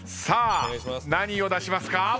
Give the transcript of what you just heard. さあ何を出しますか？